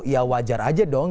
ya wajar saja dong